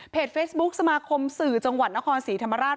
เฟซบุ๊คสมาคมสื่อจังหวัดนครศรีธรรมราช